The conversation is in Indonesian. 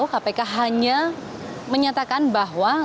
kami hanya menjelaskan bahwa setia nevanto